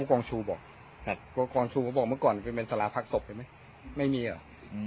อุกองชูบอกเค้าก็บอกเมื่อก่อนเป็นสลาพักศพเห็นไหมไม่มีเหรอ